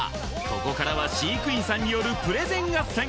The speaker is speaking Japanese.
ここからは飼育員さんによるプレゼン合戦